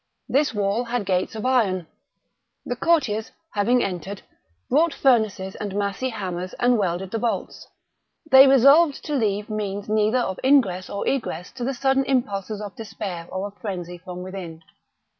This wall had gates of iron. The courtiers, having entered, brought furnaces and massy hammers and welded the bolts. They resolved to leave means neither of ingress or egress to the sudden impulses of despair or of frenzy from within.